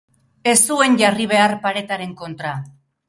Ez huen jarri behar paretaren kontra.